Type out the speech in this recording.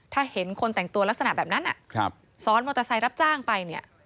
ถ้าเห็นคนแต่งตัวลักษณะแบบนั้นซ้อนมอเตอร์ไซค์รับจ้างไปเนี่ย